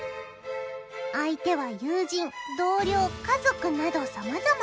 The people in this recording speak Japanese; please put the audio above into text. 相手は友人、同僚、家族などさまざま。